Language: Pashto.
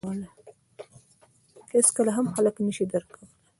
• هېڅکله هم خلک نهشي درک کولای.